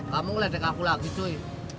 kamu ledek aku lagi cuy